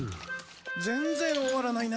全然終わらないな。